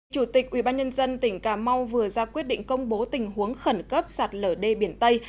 chủ tịch ubnd tỉnh cà mau vừa ra quyết định công bố tình huống khẩn cấp sạt lở đê biển tây